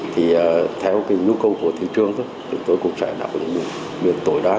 thì theo cái nhu cầu của thị trường chúng tôi cũng sẽ đạo những biệt tội đoan